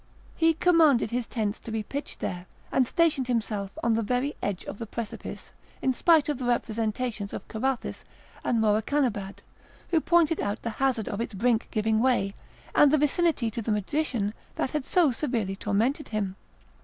He commanded his tents to be pitched there, and stationed himself on the very edge of the precipice, in spite of the representations of Carathis and Morakanabad, who pointed out the hazard of its brink giving way, and the vicinity to the magician that had so severely tormented him.